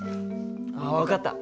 あっ分かった。